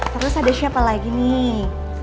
terus ada siapa lagi nih